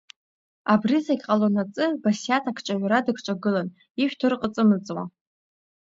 Абри зегьы ҟалонаҵы Басиаҭ акҿаҩра дыкҿагылан, ишәҭ ырҟыҵымыҵуа…